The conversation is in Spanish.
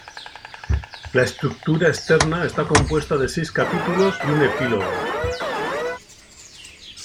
La estructura externa está compuesta de seis capítulos y un epílogo.